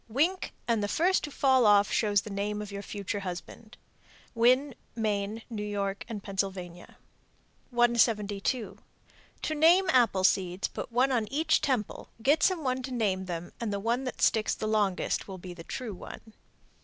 Wink and the first to fall off shows the name of your future husband. Winn, Me., New York, and Pennsylvania. 172. To name apple seeds, put one on each temple, get some one to name them, and the one that sticks the longest will be the true one.